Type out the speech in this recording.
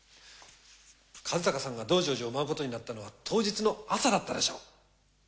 和鷹さんが『道成寺』を舞うことになったのは当日の朝だったでしょう。